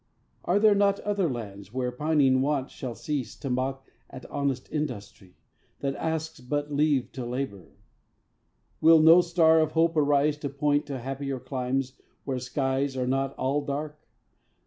Are there not other lands where pining want Shall cease to mock at honest industry, That asks but leave to labour? Will no star Of hope arise to point to happier climes Where skies are not all dark?